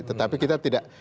tetapi kita tidak